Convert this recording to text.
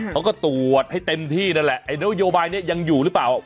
เขาก็ตรวจให้เต็มที่นั่นแหละไอ้นโยบายนี้ยังอยู่หรือเปล่า